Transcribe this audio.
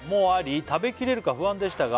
「食べきれるか不安でしたが」